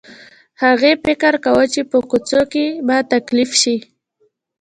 هغې فکر کاوه چې په کوڅو کې به تکليف شي.